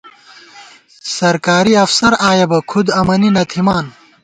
سرکاری افسر آیَہ بہ کُھد امَنی نہ تھِمان